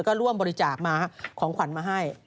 ก็ร่วมบริจาคมาของขวัญมาให้